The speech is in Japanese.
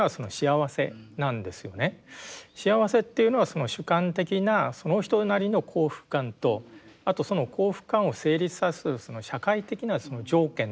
幸せっていうのは主観的なその人なりの幸福感とあとその幸福感を成立させる社会的なその条件ですよね。